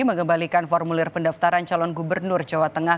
mengembalikan formulir pendaftaran calon gubernur jawa tengah